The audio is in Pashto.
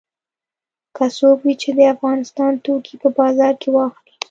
که څوک وي چې د افغانستان توکي په بازار کې واخلي.